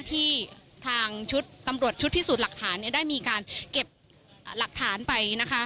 ที่ทางชุดตำรวจชุดพิสูจน์หลักฐานได้มีการเก็บหลักฐานไปนะคะ